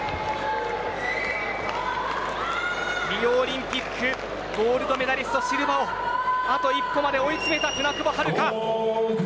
リオオリンピックゴールドメダリストのシルバをあと一歩まで追い詰めた舟久保遥香。